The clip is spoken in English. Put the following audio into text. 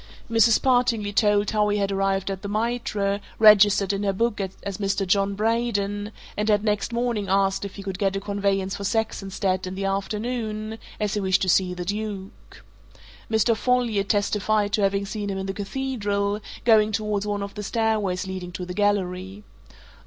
Mrs. Partingley told how he had arrived at the Mitre, registered in her book as Mr. John Braden, and had next morning asked if he could get a conveyance for Saxonsteade in the afternoon, as he wished to see the Duke. Mr. Folliot testified to having seen him in the Cathedral, going towards one of the stairways leading to the gallery.